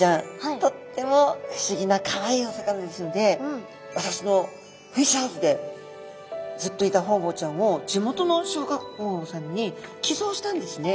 とっても不思議なかわいいお魚ですので私のフィッシュハウスでずっといたホウボウちゃんを地元の小学校さんに寄贈したんですね。